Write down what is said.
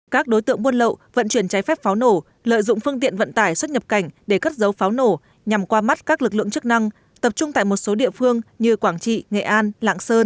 các đối tượng buôn lậu vận chuyển trái phép pháo nổ lợi dụng phương tiện vận tải xuất nhập cảnh để cất dấu pháo nổ nhằm qua mắt các lực lượng chức năng tập trung tại một số địa phương như quảng trị nghệ an lạng sơn